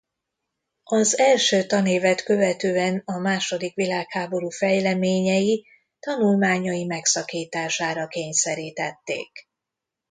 Az első tanévet követően a második világháború fejleményei tanulmányai megszakítására kényszerítették.